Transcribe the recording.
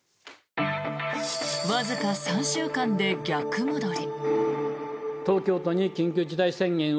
わずか３週間で逆戻り。